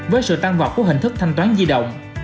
với sự tan vọt của hình thức thanh toán di động